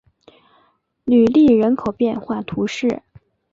吕利人口变化图示